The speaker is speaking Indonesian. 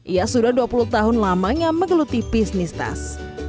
ia sudah dua puluh tahun lamanya menggeluti bisnis tas